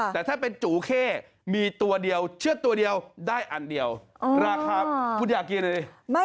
แต่ถ้าเป็นจูเข้มีตัวเดียวเชื่อตัวเดียวได้อันเดียวราคาคุณอยากกินอ่ะดิ